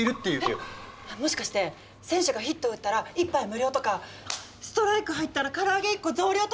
えっもしかして選手がヒットを打ったら１杯無料とかストライク入ったら唐揚げ１個増量とか！